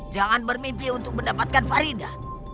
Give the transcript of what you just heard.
jangan bermimpi untuk mendapatkan farida